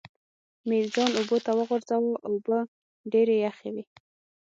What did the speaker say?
مې ځان اوبو ته وغورځاوه، اوبه ډېرې یخې وې.